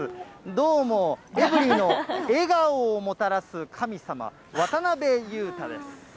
どうも、エブリィの笑顔をもたらす神様、渡辺裕太です。